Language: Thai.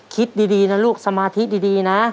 คิดดีนะลูกสมาธิดีนะ